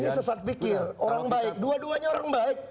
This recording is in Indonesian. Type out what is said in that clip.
ini sesat pikir orang baik dua duanya orang baik